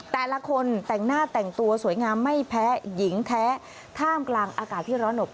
แต่ละคนแต่งหน้าแต่งตัวสวยงามไม่แพ้หญิงแท้ท่ามกลางอากาศที่ร้อนอบ